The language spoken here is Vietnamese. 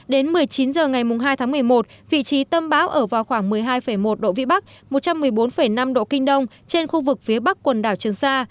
đến một mươi chín h ngày hai một mươi một vị trí tâm áp thấp nhiệt đới ở vào khoảng một mươi hai một độ vĩ bắc một trăm một mươi bốn năm độ kinh đông trên khu vực phía bắc quần đảo trường sa